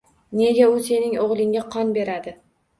Nega u sening o`g`lingga qon beradi